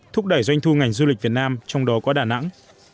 thúc đẩy doanh thu ngành du lịch việt nam trong đó có đà nẵng